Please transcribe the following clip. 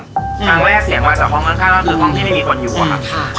ครั้งแรกเสียงมาจากห้องข้างก็คือห้องที่ไม่มีคนอยู่อะค่ะ